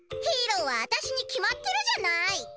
ヒーローはわたしに決まってるじゃない！